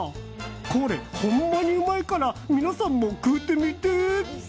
これ、ほんまにうまいから皆さんも食うてみて！